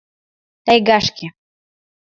Тайгашке.